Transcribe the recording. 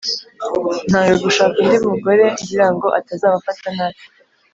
nanga gushaka undi mugore ngira ngo atazabafata nabi,